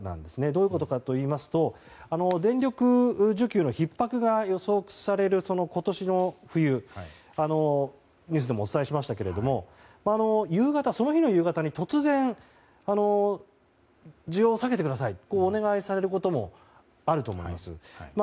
どいうことかといいますと電力需給のひっ迫が予想される今年の冬ニュースでもお伝えしましたがその日の夕方に突然、需要を下げてくださいとお願いされることもあると思います。